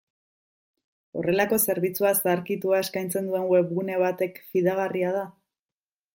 Horrelako zerbitzu zaharkitua eskaintzen duen webgune batek fidagarria da?